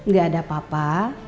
gak ada apa apa